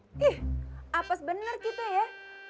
ih apes bener gitu ya